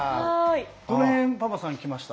どの辺パパさんきました？